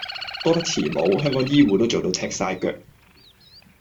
多得慈母，香港醫謢都做到踢曬腳